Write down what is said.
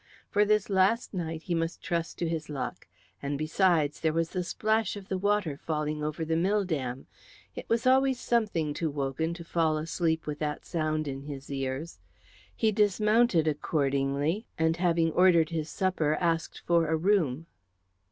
For this last night he must trust to his luck; and besides there was the splash of the water falling over the mill dam. It was always something to Wogan to fall asleep with that sound in his ears. He dismounted accordingly, and having ordered his supper asked for a room.